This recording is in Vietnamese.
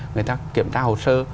người ta kiểm tra hồ sơ